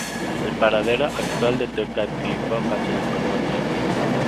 El paradero actual de Tezcatlipoca se desconoce.